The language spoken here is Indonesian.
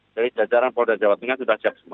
jajaran polda jawa tengah sudah siap semua